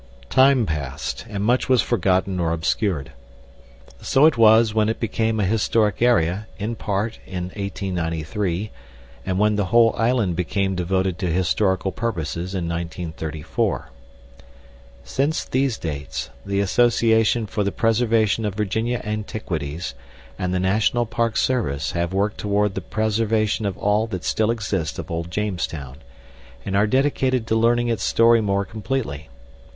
Time passed and much was forgotten or obscured. So it was when it became a historic area, in part, in 1893, and when the whole island became devoted to historical purposes in 1934. Since these dates, the Association for the Preservation of Virginia Antiquities and the National Park Service have worked toward the preservation of all that still exists of old Jamestown, and are dedicated to learning its story more completely.